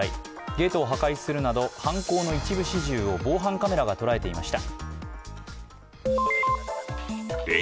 ゲートを破壊するなど犯行の一部始終を防犯カメラが捉えていました。